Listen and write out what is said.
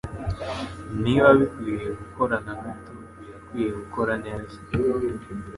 Niba bikwiye gukora na gato, birakwiye gukora neza.